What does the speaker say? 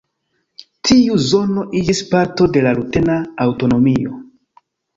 Tiu zono iĝis parto de la rutena aŭtonomio.